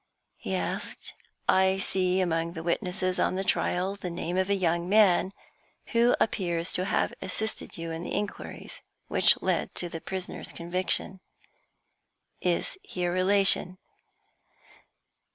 he asked. "I see among the witnesses on the trial the name of a young man who appears to have assisted you in the inquiries which led to the prisoner's conviction. Is he a relation?"